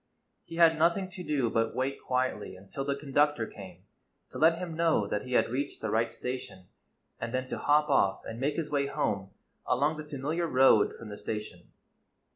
He had nothing to do but wait quietly until the conductor came to let him know that he had reached the right station, and then to hop off and make his way home along the familiar road from the station.